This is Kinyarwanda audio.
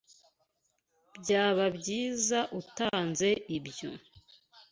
Byaba byiza utanze ibyo.